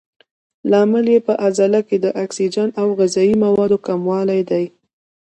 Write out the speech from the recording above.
لامل یې په عضله کې د اکسیجن او غذایي موادو کموالی دی.